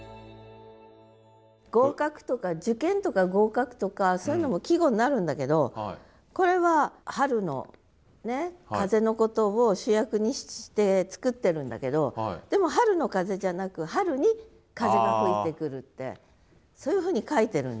「合格」とか「受験」とか「合格」とかそういうのも季語になるんだけどこれは春の風のことを主役にして作ってるんだけどでも春の風じゃなく春に風が吹いてくるってそういうふうに書いてるんで。